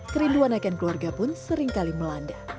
kerinduan akan keluarga pun seringkali melanda